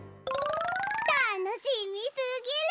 たのしみすぎる！